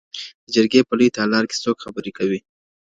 د جرګي په لوی تالار کي څوک خبري کوي؟